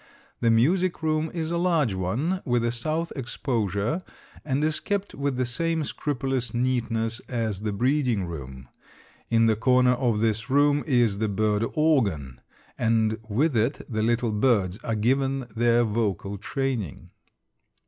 The music room is a large one, with a south exposure, and is kept with the same scrupulous neatness as the breeding room. In the corner of this room is the bird organ, and with it the little birds are given their vocal training.